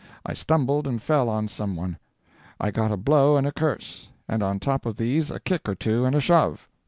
I stumbled and fell on someone. I got a blow and a curse; and on top of these a kick or two and a shove.